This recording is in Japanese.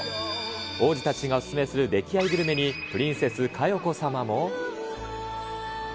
王子たちがお勧めする溺愛グルメにプリンセス佳代子様も。